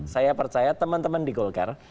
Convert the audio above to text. saya percaya teman teman di golkar